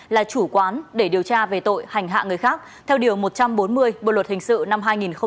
là chủ quán để điều tra về tội hành hạ người khác theo điều một trăm bốn mươi bộ luật hình sự năm hai nghìn một mươi năm